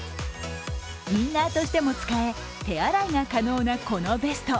インナーとしても使え、手洗いが可能なこのベスト。